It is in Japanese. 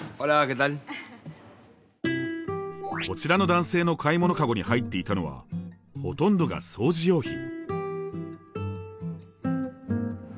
こちらの男性の買い物カゴに入っていたのはほとんどが掃除用品。